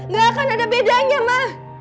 gak akan ada bedanya malah